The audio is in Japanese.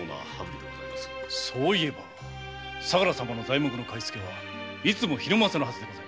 そういえば相良様の材木の買い付けはいつも桧政のはず。